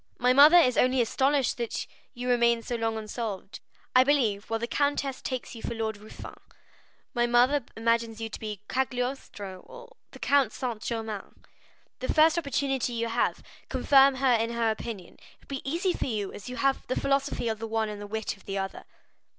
My mother is only astonished that you remain so long unsolved. I believe, while the Countess G—— takes you for Lord Ruthven, my mother imagines you to be Cagliostro or the Count Saint Germain. The first opportunity you have, confirm her in her opinion; it will be easy for you, as you have the philosophy of the one and the wit of the other."